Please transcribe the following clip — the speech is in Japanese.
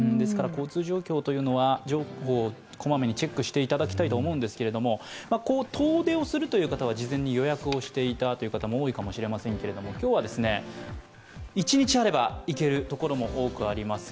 交通情報をこまめにチェックしていただきたいんですけれども、遠出をする方は事前に予約をしていた方も多いかもしれませんが今日は一日あれば行ける所も多くあります。